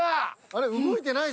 あれ動いてない。